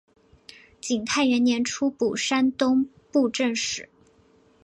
景泰元年出补山东布政使。